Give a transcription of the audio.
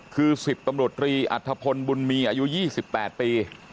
คือ๑๐ตำรวจรีอัธพลบุญมีอายุ๒๘ปี